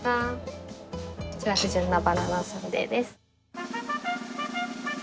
こちら不純なババナサンデーです。